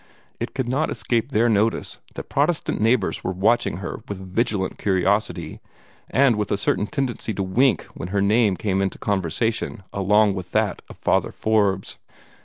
It could not escape their notice that their Protestant neighbors were watching her with vigilant curiosity, and with a certain tendency to wink when her name came into conversation along with that of Father Forbes.